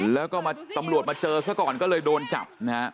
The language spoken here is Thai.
แล้วก็มาตำรวจมาเจอซะก่อนก็เลยโดนจับนะฮะ